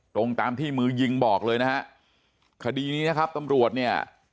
ตรงตามที่มือยิงบอกเลยนะฮะคดีนี้นะครับตำรวจเนี่ย